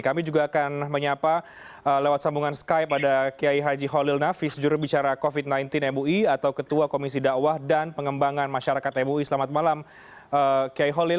kami juga akan menyapa lewat sambungan skype ada kiai haji holil nafis jurubicara covid sembilan belas mui atau ketua komisi ⁇ dawah ⁇ dan pengembangan masyarakat mui selamat malam kiai holil